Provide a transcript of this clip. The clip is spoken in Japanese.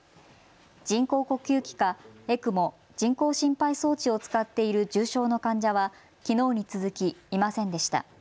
人工呼吸器かＥＣＭＯ・人工心肺装置を使っている重症の患者はきのうに続きいませんでした。